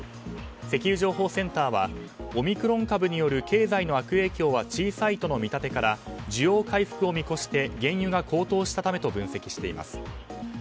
石油情報センターはオミクロン株による経済の悪影響は小さいとの見立てから需要回復を見越して原油が高騰したためと分析しています。